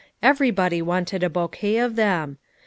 Everybody wanted a bouquet of them.